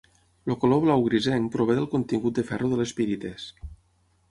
El color blau grisenc prové del contingut de ferro de les pirites.